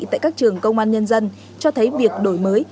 tại các trường công an nhân dân cho thấy việc đổi mới